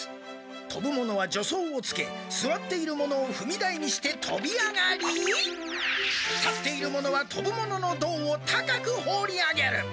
とぶ者は助走をつけすわっている者をふみ台にしてとび上がり立っている者はとぶ者のどうを高く放り上げる。